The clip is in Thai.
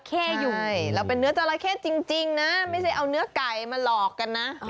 ค่ะเราเป็นเนื้อธรรคเทศจริงนะไม่ใช่เอาเนื้อไก่มาหลอกกันนะ